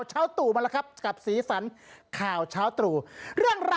เชิงชมได้เลยครับ